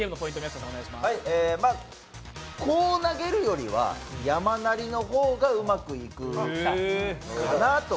こう投げるよりは、山なりの方がうまくいくかなと。